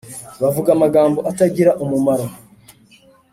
Bavuga amagambo atagira umumaro